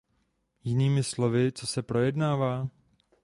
Jinými slovy, co se projednává?